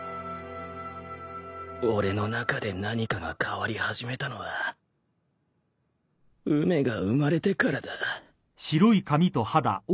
俺の中で何かが変わり始めたのは梅が生まれてからだ